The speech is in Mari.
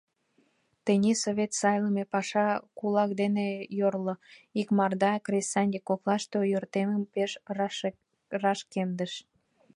Тений совет сайлыме паша кулак ден йорло, икмарда кресаньык коклаште ойыртемым пеш рашкемдыш.